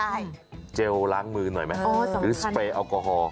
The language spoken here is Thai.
ใช่เจลล้างมือหน่อยไหมเออสำขรรคหรือสเปรแอลกโคฮอล์